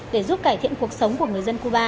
để giúp cải thiện cuộc sống của người dân cuba